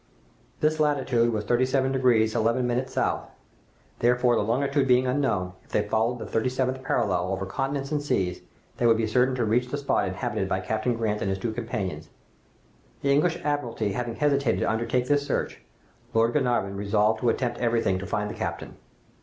"This latitude was 37deg 11' south; therefore, the longitude being unknown, if they followed the thirty seventh parallel over continents and seas, they would be certain to reach the spot inhabited by Captain Grant and his two companions. The English Admiralty having hesitated to undertake this search, Lord Glenarvan resolved to attempt everything to find the captain.